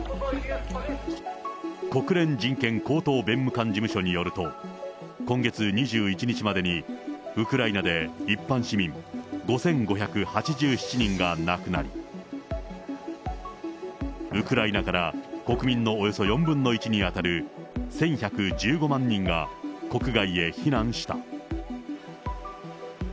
国連人権高等弁務官事務所によると、今月２１日までにウクライナで一般市民５５８７人が亡くなり、ウクライナから国民のおよそ４分の１に当たる１１１５万人が国外へ避難した。